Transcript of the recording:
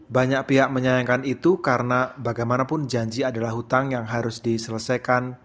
banyak pihak menyayangkan itu karena bagaimanapun janji adalah hutang yang harus diselesaikan